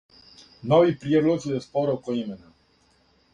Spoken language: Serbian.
Нови приједлози за спор око имена